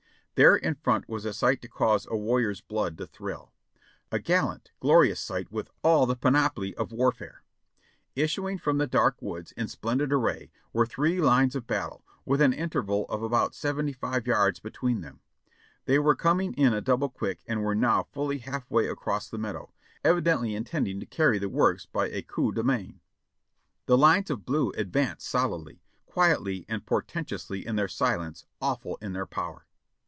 ''There in front was a sight to cause a warrior's blood to thrill. A gallant, glorious sight, with all the panoply of warfare. "Issuing from the dark woods in splendid array were three lines of battle, with an interval of about seventy five yards between them. They were coming in a double quick and were now fully half way across the meadow, evidently intending to carry the works by a coup de main. The lines of blue advanced solidly, quietly and portentously in their silence, awful in their power.